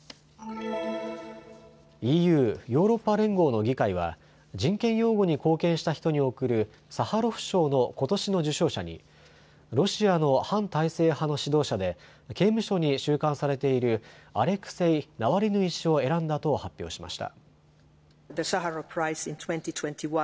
ＥＵ・ヨーロッパ連合の議会は人権擁護に貢献した人に贈るサハロフ賞のことしの受賞者にロシアの反体制派の指導者で刑務所に収監されているアレクセイ・ナワリヌイ氏を選んだと発表しました。